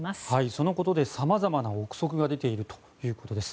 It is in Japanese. そのことでさまざまな憶測が出ているということです。